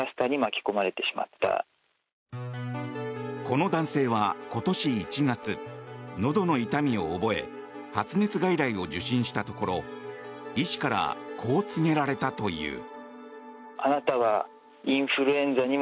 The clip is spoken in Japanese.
この男性は今年１月のどの痛みを覚え発熱外来を受診したところ医師からこう告げられたという。